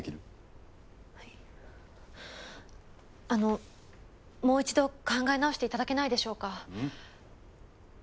あのもう一度考え直して頂けないでしょうか？